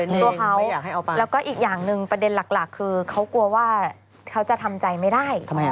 ตัวเขาแล้วก็อีกอย่างหนึ่งประเด็นหลักคือเขากลัวว่าเขาจะทำใจไม่ได้